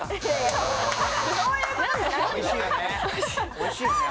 おいしいよね。